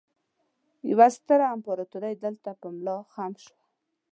يوه ستره امپراتورۍ دلته په ملا خم شوه